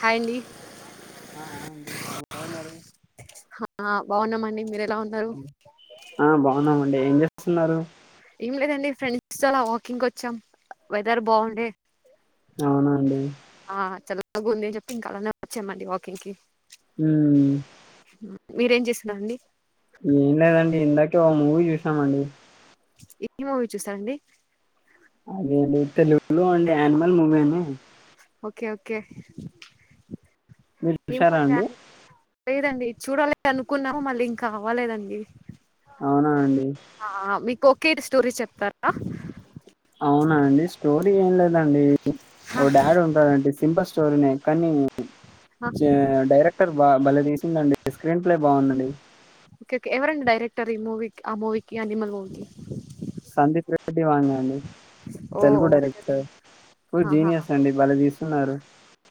Hi అండి ఆ బాగున్నామండి మీరు ఎలా ఉన్నారు ఆ బాగున్నామండి ఏం చే స్తున్నారు ఏం లేదండి ఫ్రెండ్స్ తో అలా వా వాకింగ్ కి వచ్చాం వెదర్ బాగుంది అవునా అండి బాగుంది అని చెప్పి ఇంకా అలానే వచ్చామండి వాకింగ్ కి మ్మ్ మీరేం చేస్తున్నారు అండి ఏం లేదండి ఇందాకే ఓక మూవీ చూసి మండి ఏ మూవీ చూసారండి అదే అండి తెలుగులో అండి యానిమల్ మూవీ అని ఓకే ఓకే మీరు చూషారా అండి లేదండి చూడాలదు అనుకున్నాము మళ్ళీ ఇంకా అవాలేదండి అవునా అండి కేది స్టోరీ చెప్తారా అవునా అండి స్టోరీ ఏం లేదండి ఓ డాడీ ఉంటాడుడి సింపల్ చోరినే కానీ ఆ, డైరెక్టర్ బ బలదీ దండి స్క్రీన్ ప్లే బాగుందండి ఓకే కే ఎవరండి రెక్టర్ ఈ మూీ ఆ మూవీకి అనిమల్ మూవీకి సధప అండి ఓ తెలుగు ఓకే డైరెక్టర్ ఫు ఆహా. జీనియస్ అండి వాళ తీస్తున్నారు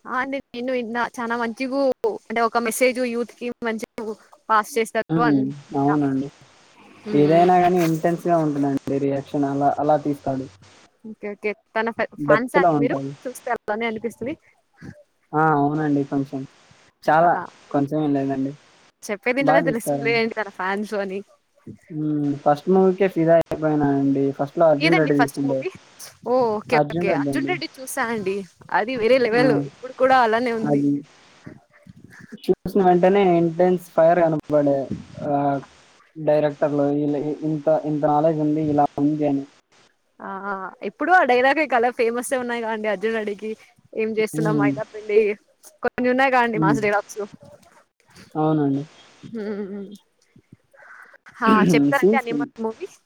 ఆ, అండి నేను విన్నా చాలా మంచిగా అంటే ఒక మెసేజ్ యూత్ కి మంచి అవునండి ఏదైనా ని ఇంటెన్స్గా ఉంటుందండి రియాక్షన్ అలా అలా తీసుాడు ఓకే ఓకే తన ఫ్యాన్స్ అంట మీరు ఉంటాయి. చూస్తే వెళ్దని అనిపిస్తుంది ఆ! అవునండి కొంచెం. చాలా కొంచెం లేదండి. చెప్పేది ఏంటనే తెలుస్తుందిడి తన ఫ్యాన్స్ ని ఫస్ట్మూవికే ఫీదా అయిపోయి అండి ఏదండి ఫస్ట్ మూవీ ఓ ఓకే ఓకే అర్జున్ రెడ్డి చూసా అండి అది వేరే ఆ లెవెల్ ఇప్పుడు కూడా అలానే ఉంది అది చూసిన వెంటనే ఎంట్రెన్స్ ఫైర్ అ ఇబడే ఆ డైరెక్టర్లు ఇంత ఇంత నాలెడ్జ్ ఉంది ఇలా వన్ చేయను ఆ ఎప్పుడుూ ఆ డైలాగ్ కలా ఫేమస్ఏ ఉన్నాయి కదండి అర్జున్ అడికి ఏం చేస్తున్నా హ్మ్. మయిద పిల్లి కొన్నా కాడి హ్మ్. మాజడి రాచ్చు అవునండి. ఆ చెప్తా అంటడి సీన్స్ అన్ని movies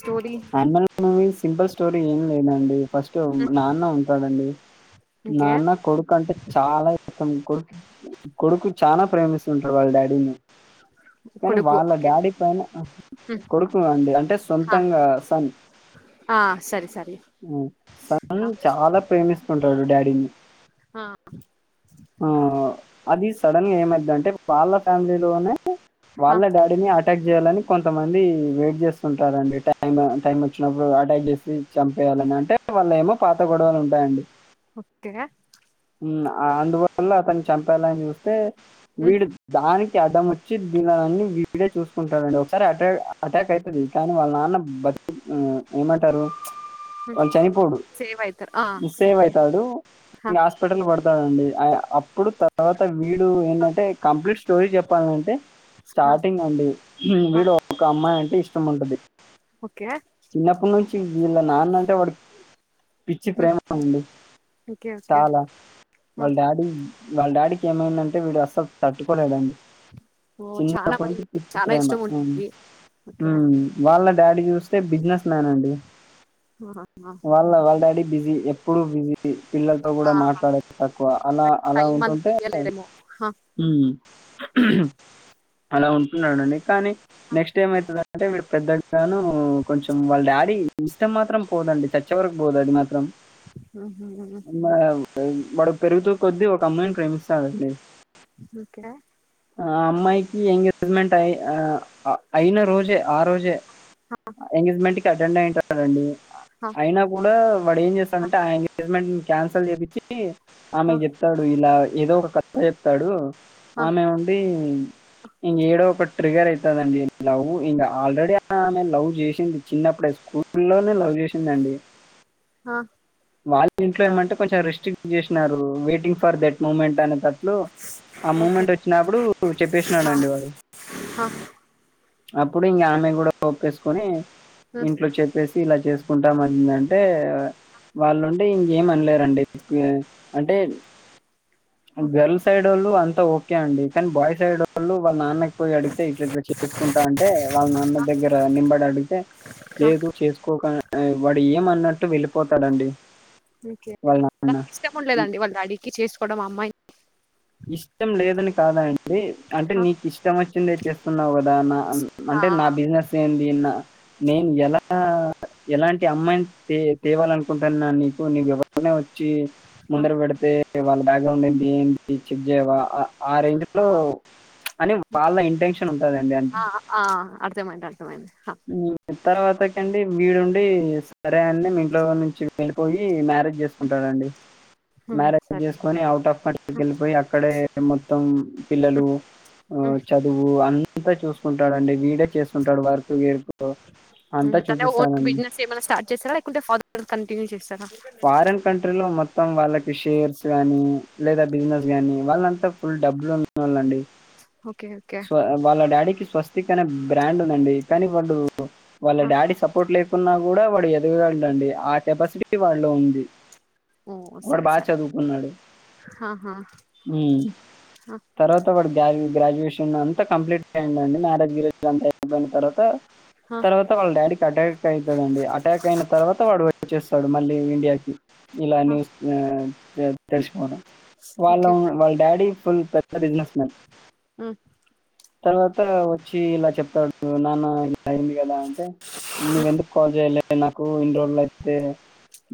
story animal movie simple story ఏం లేదండి ఫస్ట్ నాన్న ఉంటాదండి ఓకే నాన్న కొడుకు అంటే చాలా ఇష్టం కొడుకు కొడుకు చాలా ప్రేమిస్తుంటారు వాళ్ళ డాడీని కానీ కొడుకు వాళ్ళ ఓకే డాడీ పైన కొడుకుండి అంటే సొంతంగా సన్ సరే సరే ఆ సన్ చాలా ప్రేమిస్తుంటాడు డాడీని ఆ అది సడన్ ఏమైద్దంటే వాళ్ళ ఫ్యామిలీ లోనే వాళ్ళ డాడీని అటాక్ చెయ్యాలని కొంతమంది వెయిట్ చేస్తున్ టాదండి టైం టైం వచ్చినప్పుడు అటాక్ చేసి చంపేయాలని అంటే వాళ్ళ ఏమో పాత గొడవలు ఉంటాయండి ఉమ్ అ అందువల్ల అతని చంపాలని చూస్తే వీడు దానికి అడ్డం వచ్చి దీనిలో అన్ని వీడే చూసుకుంటాడండి ఒకసారి అటా అటాక్ ఐతది కానీ వాళ్ళ నాన్న బ [unintelligible] తి ఊమ్ ఏమంటారు వాళు చనిపోడు మిస్సే వైతాడు హాస్పిటల్ పడతాడండి ఆ అప్పుడు తర్వాత వీడు ఏంటంటే కంప్లీట్ స్టోరీ చెప్పాలంటే స్టార్టింగ్ అండి వీడు ఒక అమ్మాయి అంటే ఇష్ చ్చం అంటుద్ది చిన్నప్పటి నుంచి టి వీళ్ళ నాన్న అంటే వాడు పిచ్చి ప్రేమ ఉండి చాలా వాళ్ళ డాడీ వాళ్ళ డాడీ ఏమైందంటే వీడు అస్సలు తట్టుకోలేడం ఓ చానా మరి చాలా ప్రేమ ఇష్టం ఉమ్. ఉంటుద్ది ఉమ్ వాళ్ళ డాడీ చూసు తే బిజినెస్ మ్యాన్ అండి ఆహా, వాళ్ళ వాళ్ళ డాడీ బిజీ ఎప్పుడు బిజీ పిల్లలతో కూడా ఆ, మాట్లాడదు తక్కువ అలా అలా టైం అంత ఉంటుంటే తెలియలేరేమో ఉమ్ అలా ఉంటున్నాడండి కానీ నెక్స్ట్ ఏమైతుందన్ అంటే వి వీడు పెద్దగ్గాను కొంచెం వాళ్ళ డాడీ ఇష్టం మాత్రం పోదండి చచ్చే వరకు పోదు అది మాత్రం [unintelligible] వాడు పెరుగుతూ కొద్ది ఒక అమ్మాయిని ప్రేమిస్తాడండి ఓకే ఆ అమ్మాయికి ఏం లే జ్మెంట్ అయి ఆ అయిన రోజే ఆ రోజే ఎంగేజ్మెంట్ అటెండ్ అయ్యింటాడండి హ, అయినా కూడా వాడు ఏం చేస్ సామంటే ఆ ఎంగేజ్మెంట్ ని క్యాన్సల్ చేపిచ్చి ఆ హ, నేన్ చెప్తా చూడు ఇలా ఏదో ఒక కథ చెప్తాడు హ, ఆమె ఉండి ఇంగ ఏడో ఒకాడ ట్రిగర్ అయితాదండీ లవ్వు ఇలా ఆల్రెడీ ఆమె నను లవ్ చేసింది చిన్నప్పుడే స్కూల్లోనే లవ్ చేసిందండి. హ, వాళ్ళ ఇంట్లో ఏమంటే కొంచెం రెస్ట్రిక్ట్ చేసినారు వెయిటింగ్ ఫర్ దట్ మూమెంట్ అనేటట్లు ఆ ఓకే మూమెంట్ వచ్చినప్పుడు చెప్పేసినాడండి వాడు హ, ఇప్పుడు ఇంగ ఆమె కూడా ఒప్పేసుకొని హ్మ్, ఇంట్లో చెప్పేసి ఇలా చేసుకుంటామండి అంటే వాళ్ళుండి ఇంకేం అనలేరండి అంటే హ, గర్ల్ సైడ్ వాళ్ళు అంతా ఓకే అండి కానీ బాయ్ సైడ్ వాళ్ళు వాళ్ళ నాన్నకి పోయి అడిగితే ఇట్ల చేసుకుంటా తే వాళ్ళ నాన్న దగ్గర నెంబర్ అగితే హ, లేదు చేసుకోకు వాడు ఏమ అన్నట్టు వెళ్ళిపోతాడండి ఓకే వాళ్ళ నాన్న. ఇష్టం ఉండలేదండి వాళ్ళ డాడీకి చేసుకోవడం అమ్మాయి ఇష్టం లేదని కాదా అం డి అంటే నీకు ఇష్టం వచ్చిందే చేస్త సున్నావు గదా అనా అంటే నా బిజినెస్ ఏంటి నిన్నా నేను ఎలా ఎలాంటి అమ్మాయిని తేవాలనుకుంటాన్నా నీకు నీవు ఎవరో వచ్చి ముందర పెడితే వాళ్ళ బ్యాక్గ్రౌండ్ ఏ ఏంటి చెక్ చెయవా ఆ రేంజ్ లో అని వాళ్ళ ఇంటెన్షన్ ఉం ఆ ఆ అర్థమైంది అర్థమైంది హ్మ్. తర్వాతకండి మీరుండి సరే అని మీ ఇంట్లో నుంచి వెళ్ళిపోయి మ్యారేజ్ చేసుకుంటాడండి హ్మ్, మ్యారేజ్ సరే చేసుకొని ఔట్ ఆఫ్ క కి వెళ్ళిపోయి అక్కడే మొత్తం పిల్లలు చదువు అంతా చూసు స్తుంటాడండి వీడే చేస్తుంటాడు వర్క్ గిర్క్ అంతా తన ఓన్ చూపిస్తానండి బిజినెస్ ఏమైనా స్టార్ట్ చేసారా లేకుంటే ఫాదర్ దీ కంటిన్యూ చేసారా ఫారిన్ కంట్రీలో మొత్తం వాళ్ళకి షేర్స్ గానీ లేదా బిజినెస్ గానీ వాళ్ళంతా ఫుల్ డబ్బులు ఉన్నవాళ్ళండి ఓకే ఓకే స్వా వాళ్డా డాడీకి స్వస్తి క్ అనే బ్రాండ్ ఉందండి కానీ వాడు వాళ్ళ ఆ డాడీ సపోర్ట్ లేకున్నా కూడా వాడియద్ డండీ ఆ కెపాసిటీ వాళ్లో ఉంది ఓ వాడు సరే బాగా సరే చదువుకున్నాడు ఆహా మ్ తర్వాత వాడు గ గ్రాడ్యుయేషన్ నిన్న అంతా కంప్లీట్ అయిందాండి మ్యారేజ్ గిరేజ్ అంత అయిపోయిన తర్వాత ఆహా తర్వాత వాళ్ళ డాడీ కట్ట ట్ అయితదండి అటాక్ అయిన తర్వాత వాడు వచ్చేస్ డు మళ్ళీ ఇండియాకి ఇలా న్యూస్ ఆ న్ తెలిసిిపోనా వాళ్ళ ఓకే వాళ్ళ డాడీ ఫుల్ పెద్ద బిజినెస్ మన్ మ్ తర్వాత వచ్చి ఇలా చెప్తాడు నాన్న ఇలా అయింది కదా అంటే నవ్వెందుకు కాల్ చేయలే నాకు ఇన్ని రోజులు అయితే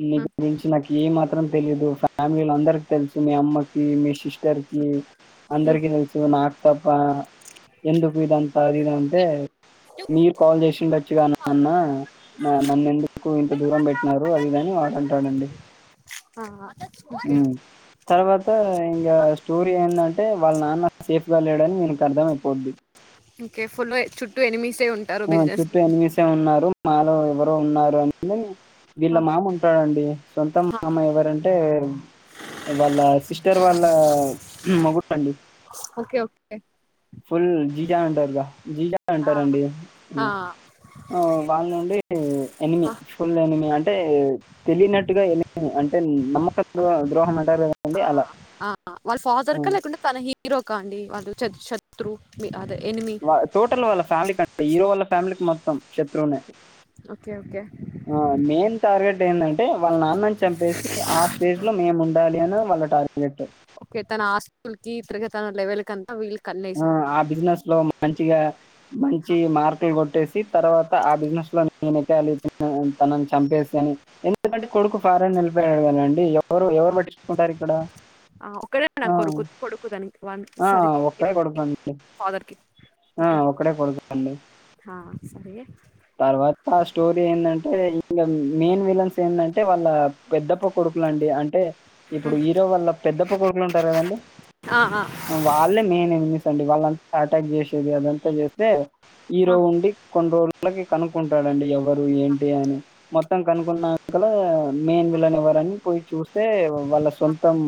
నీ ఉమ్ గురించి నాకు ఏ మాత్రం తెలీదు ఫ్యామిలీలు అందరికి తెలుసు మీ అమ్మకి మీ సిస్టర్ కీ ఉమ్ అందరికి తెల్సు నాక్ పప్ప ఎందుకు ఇదంతా అది ఇది అంటే మీరు కాల్ చేసిండొచ్చుగా అన్న నన్ను ఎందుకు ఇంత దూరం పెట్టినర్ అదిగాని వాడుంటాడండి ఆ హు ఓకే తర్వాత్ కా ఇంగ స్టోరీ ఏందంటే వాళ్ళ నాన్న సేఫ్ గా లేడని వీళ్లకు అర్థమైపోద్ది ఓకే ఫుల్ చుట్టూ ఎనిమిస్ ఆ చుట్టూ ఎనిమిసే ఉన్నారు మాలో ఎవరో ఉన్నారు అని వీళ్ళ ఆ మామ ఉంటాడండి సొంత ఆ మామ ఎవరంటే వాళ్ళ సిస్టర్ వాళ్ళ మొగుడు అండి ఓకే ఓకే ఫుల్ జీజా ఉంటారుగా జీజా ఆ అంటారండి ఆ వాళ్ళ నుండి ఎనిమి ఆ ఫుల్ ఎనిమి అంటే తెలియనట్టుగా ఎనిమి అంటే నమ్మక ద్రో ద్రోహం అంటారు కదండి ఆ అలా వాళ్ళ ఫాదర్ కా హ్మ్. లేకుంటే తనకీ హీరో కా అండి వాళ్ళ చత్ శత్రు మీ ఆదే వా టోటల్ వాళ్ళ ఫ్యామిలి క హీరో వాళ్ళ ఫ్యామిలీకి మొత్తం శత్రువునే ఓకే ఓకే ఆ మెయిన్ టార్గెట్ ఏందం టే వాళ్ళ నాన్నన్ చంపేసి ఆ స్టేజ్ ట్ లో మేము ఉండాలి అన్నది వాళ్ళ టార్గెట్ ఓకే తన ఆస్తులకి తరగ తన లవెల్ కంతా వీళ్ ఆ ఆ బిజినెస్ లో మంచిగా మంచి మార్కులు కొట్టేసి తర్వాత ఆ బిజినెస్ లో నేను ఎెదగాలి తనని చంపేసి అని ఎందుకంటే కొడుకు ఫారెన్ వెళ్ళిపోయాడు కదండి ఎవరు ఎవరు పట్టించుకుంటారు ఇక్కడ ఆ ఒకడే నా కొరుకు కొడుకు తన్ వాళ్ళకి సారీ ఒకడే హీరో కొడుతండి ఫాదర్ కి ఆ ఓకే ఒక్కడే కొడుకుండి ఆ, సరే ఏందంటే, అంటే వాళ్ళ పెద్దప్ప కొడుకులు అండి అంటే ఇప్పుడు హీరో వాళ్ళ పెద్దప్ప కొడుకులు ఉంటారు కదండి ఆ, ఆ, ఆ, వాళ్ళే నేను డి వాళ్ళంతా అటాక్ చేసేది అదంతా చేస్తే ఈరో ఆ, ఉండి కొండ రోలు వాళ్ళకి కనుకుంటాడండి ఎవ ఎరు ఏంటి అను మొత్తం కనుకున్నకలా మేన్ విలనివరని పోయి చూస్తే వాళ్ళ ఆ. సొంతం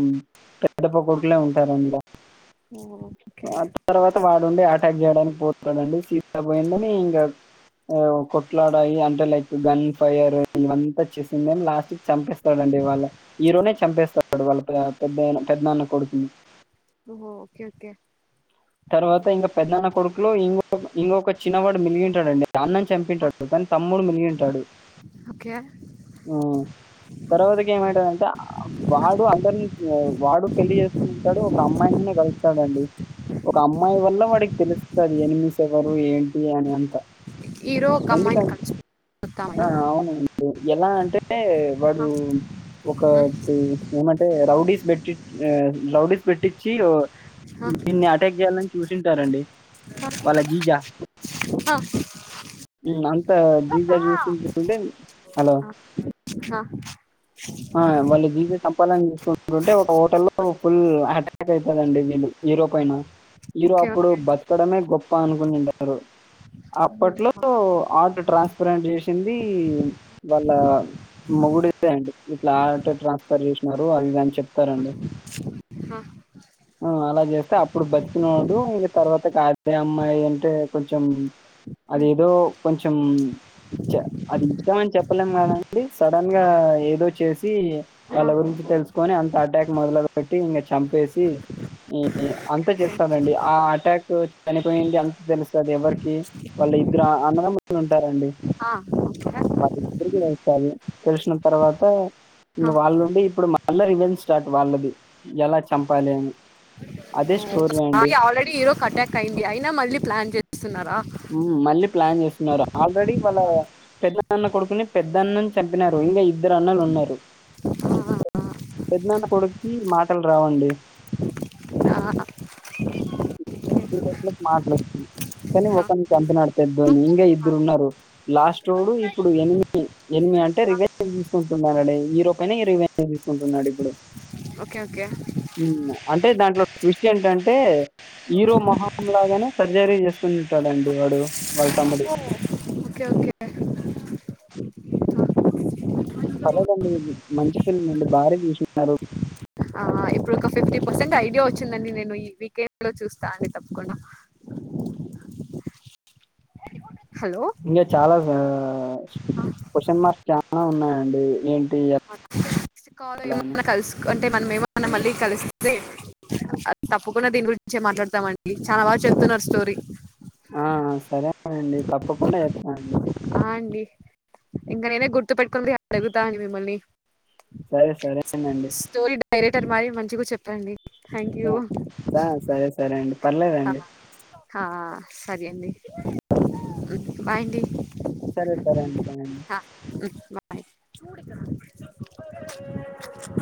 పెడప్ప కొడుకులే ఉంటారం మీద ఓక క్ చేయడానికి పోతాడండి సీతా పయలోనే ఇంకా ఆ కొట్లాడాయి అంటే లైక్ గన్ ఫైర్ ఇవంతా చేసిందే లాస్ట్ కి చంపేస్తాడుండి వాళ్ళ హీరోనే చంపేస్తాడు వాళ్ళ పెద్ద పెద్దన్న కొడుకుని ఓహో ఓకే ఓకే తర్వాత ఇంకా పెద్దన్న కొడుకులో ఇంకో ఇంకొక చిన్నవాడు మెలిగింటాడుండి అన్నం చంపింటాడు కానీ తమ్ముడు మెలిగింటాడు ఓకే తర్వాతకి ఏమైంటదింటే వాడు అందరినీ వాడు పెళ్లి చేసుకుంటాడు ఒక అమ్మాయినినే కలుస్తాడుండి ఒక అమ్మాయి వల్ల వాడికి తెలుస్తుంది ఎనిమిస్ ఎవరు ఏంటి అని అంత హీరో గమ్మాయిన్ ఎందుకంటే కామ అవును ఎలా అంటే వాడు ఒక ఏమంటే రౌడీస్ పెట్టి రౌడీస్ పెట్టించి ఆ, దీన్ని అటాక్ చేయాలండి చూసింటారండి వాళ్ళ జీజ ఆ అంత ఆ. జీజా చూసుుంటే హలో నా ఆయా వలు దీజ చంపాల అని చూసుకుంటుంటే ఒక హోటల్లో ఫుల్ అటాక్ అయితాదండి హిరో పైన మీరు ఓకే అప్పుడు ఓకే బతకడమే గొప్ పానుకునింటారు అప్పట్లో ఆట్ ట్రాన్స్ ఇప్పు రన్ చేసింది వాళ్ళ మొగుడుదే అండి ఇట్లా ఆటో ట్రాన్స్ఫర్ చేసినారు అదిదని చెప్తారండి. ఆ, అలా చేస్తే అప్పుడు బతికినోడు ఇంగ తర్వాతకి అదే అమ్మాయి అంటే కొంచెం అదేదో కొంచెం చ అది ఇష్టమని చెప్పలేం కదండి సడన్ గా ఏదో. చేసి ఆ, వాళ్ళ గురించి తెలుసుకొని అంత అటాక్ మొదలు పెట్టి ఇంగ చంపేసి, ఈ అంత చేస్తారండి ఆ అటాక్ చనిపోయింది అంత తెలుస్తది ఎవరికి వాళ్ళ ఇద్దరు అన్నదమ్ములు ఉంటారండి. ఆ హా ఇద్దరికి నచ్చాలి తెలిసిన తర్వాత ఇంక ఆ, వాళ్ళుండి ఇప్పుడు మల్లా రివెంజ్ స్టార్ట్ వాళ్ళది ఎలా చంపాలి అని అదే స్టోరీ అండి. ఆల్రెడీ హీరో అటాక్ అయింది అయినా మళ్ళ ప్లాన్ జస్ తున్నారా హ్మ్. మళ్ళీ ప్లాన్ చేస్తున్నారు ఆల్రెడీ వాళ్ళ పెద్ద నాన్న కొడుకుని పెద్దన్నని చంపినారు ఇంకా ఇద్దరు అన్నలు ఉన్నారు ఆ, పెద్ద నాన్న కొడుకుకి మాటలు రావండి ఆ, ఓకే మాట్లాంది కానీ హా ఒకరినీ చంపినాడు పెద్దొడిని ఇంకా ఇద్దరు ఉన్నారు లాస్ట్ోడు ఇప్పుడు ఎనిమి ఎనిమి అంటే రివెంజ్ తీసుకుంటున్నాడు హీరో పైన ఈ రివెంజ్ తీసుకుంటున్నాడు ఇప్పుడు ఓకే ఓకే అంటే దాంట్లో ట్విస్ట్ ఏంటంటే హీరో మొహాం లాగానే సర్జరీ చేసుకునింటాడండి వాడు వాళ్ళ తమ్ముడు ఓకే ఓకే అరేదండి మంచి ఫిల్మ్ అండి భార్య చూసున్నారు మొసంగా ఐడియా వచ్చిందండి నేను ఈ వీకెండ్ లో చూస్తా అని తప్పకుండా హలో ఇంకా చాలా క్వశ్చన్ మార్క్స్ చాల ఉన్నాయంండి ఏంటి ఎ ల్ ఏమ కసు అంటే మనమ ఏమ మళ్ళీ కలిస్తే అ తప్పకుండా దీని గురించి మాట్లాడతామండి చాలా వాారు చెప్తున్నారు స్టోరీ ఆ సరే అనండి తప్పకుండా చేస్తానండి అండి ఇంకా నేనే గుర్తు పెెట్టుకునిగ అడుగుతా అని మిమ్మల్ని సరే సరేనండి డైరేటర్ మరి మంచిగా చెప్పండి థ్యాంక్ యూ సరే సరే అండి పర్లేదండి సరే అండి బాయ్ అండి సరే సరే అండి బాయ అండి బాయ చూడు ఇక్కడ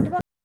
ఇ